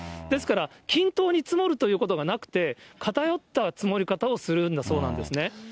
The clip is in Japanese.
ですから、均等に積もるということがなくて、偏った積もり方をするんだそうなんですね。